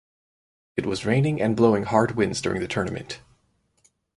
It was raining and blowing hard winds during the tournament.